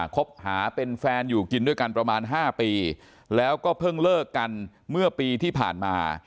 คบหาเป็นแฟนอยู่กินด้วยกันประมาณ๕ปีแล้วก็เพิ่งเลิกกันเมื่อปีที่ผ่านมา